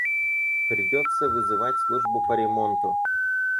Придётся вызывать службу по ремонту.